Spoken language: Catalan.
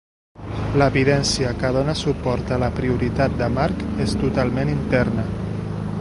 L'evidència que dóna suport a la prioritat de Marc és totalment interna.